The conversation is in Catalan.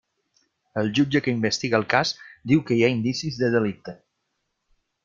El jutge que investiga el cas diu que hi ha indicis de delicte.